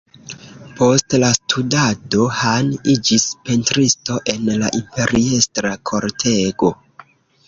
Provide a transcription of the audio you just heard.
Post la studado, Han iĝis pentristo en la imperiestra kortego.